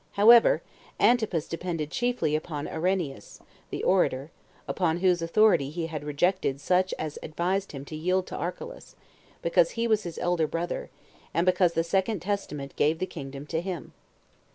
However, Antipas depended chiefly upon Ireneus, the orator; upon whose authority he had rejected such as advised him to yield to Archelaus, because he was his elder brother, and because the second testament gave the kingdom to him.